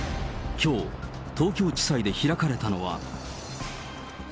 きょう、東京地裁で開かれたのは。